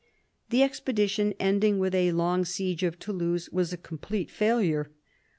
The expedition, ending with a long siege of Toulouse, was a complete failure.